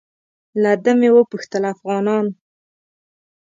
له ده مې وپوښتل افغانان.